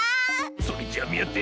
それじゃあみあって。